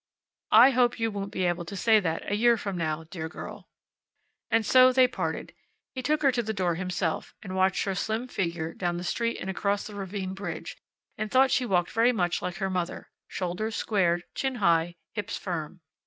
"I hope you won't be able to say that a year from now, dear girl." And so they parted. He took her to the door himself, and watched her slim figure down the street and across the ravine bridge, and thought she walked very much like her mother, shoulders squared, chin high, hips firm.